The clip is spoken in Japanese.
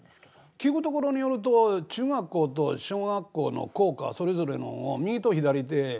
聞くところによると中学校と小学校の校歌それぞれのを右と左でこう。